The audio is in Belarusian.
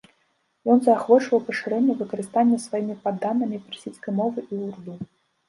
Ён заахвочваў пашырэнне выкарыстання сваімі падданымі персідскай мовы і урду.